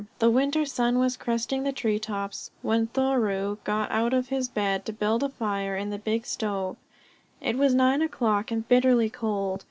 The winter sun was cresting the tree tops when Thoreau got out of his bed to build a fire in the big stove. It was nine o'clock, and bitterly cold.